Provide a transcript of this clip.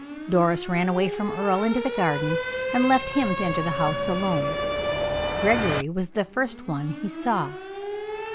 Doris ran away from Earle into the garden, and left him to enter the house alone. Gregory was the first one he saw.